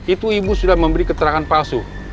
itu ibu sudah memberi keterangan palsu